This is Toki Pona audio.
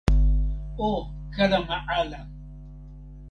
o kalama ala!